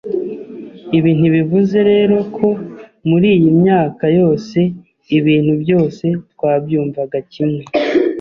Ibi ntibivuze rero ko muri iyi myaka yose ibintu byose twabyumvaga kimwe,